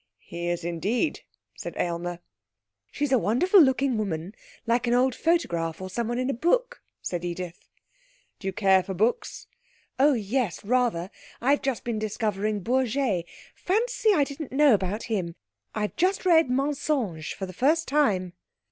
'He is indeed,' said Aylmer. 'She's a wonderful looking woman like an old photograph, or someone in a book,' said Edith. 'Do you care for books?' 'Oh, yes, rather. I've just been discovering Bourget. Fancy, I didn't know about him! I've just read Mensonges for the first time.'